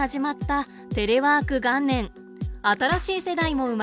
新しい世代も生まれています。